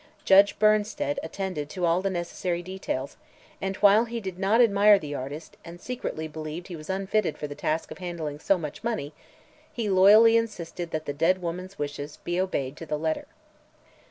Judge Bernsted attended to all the necessary details and, while he did not admire the artist and secretly believed he was unfitted for the task of handling so much money, he loyally insisted that the dead woman's wishes be obeyed to the letter.